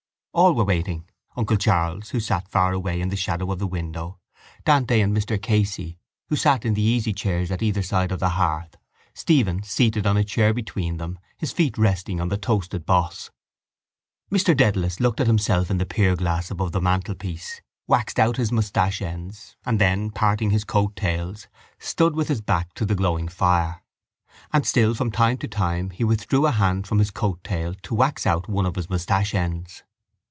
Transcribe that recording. All were waiting: uncle Charles, who sat far away in the shadow of the window, Dante and Mr Casey, who sat in the easychairs at either side of the hearth, Stephen, seated on a chair between them, his feet resting on the toasted boss. Mr Dedalus looked at himself in the pierglass above the mantelpiece, waxed out his moustache ends and then, parting his coat tails, stood with his back to the glowing fire: and still from time to time he withdrew a hand from his coat tail to wax out one of his moustache ends.